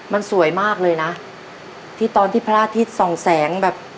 มันสวยมากเลยนะที่ตอนที่พระอาทิตย์ส่องแสงแบบ